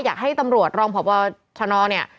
อยากให้ตำรวจรองพบชนเนี่ย